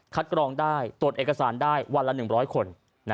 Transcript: กรองได้ตรวจเอกสารได้วันละ๑๐๐คน